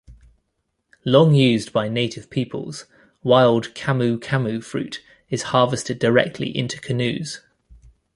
Long used by native peoples, wild camu camu fruit is harvested directly into canoes.